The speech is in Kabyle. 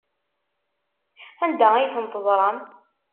Anda ay ten-teẓram?